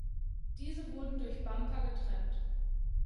Diese wurden durch Bumper getrennt.